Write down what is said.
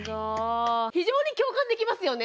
非常に共感できますよね